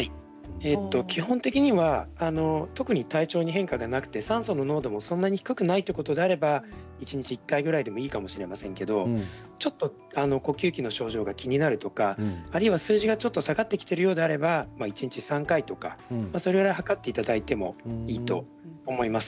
基本的には特に体調に変化がなく酸素濃度がそれほど低くないのであれば一日１回ぐらいでいいかもしれませんけどちょっと呼吸器の症状が気になるとか数字がちょっと下がってきているようであれば一日３回とかそれぐらい測っていただいてもいいと思います。